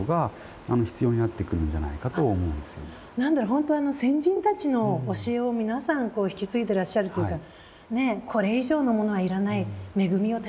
何だろう先人たちの教えを皆さん引き継いでいらっしゃるというかこれ以上のものは要らない恵みを大切にしようよっていう。